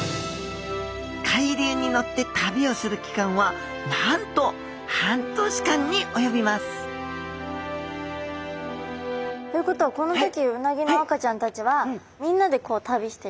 海流に乗って旅をする期間はなんと半年間におよびますということはこの時うなぎの赤ちゃんたちはみんなで旅してる感じなんですか？